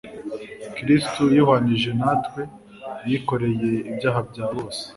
Kristo yihwanije natwe, yikoreye ibyaha bya bose.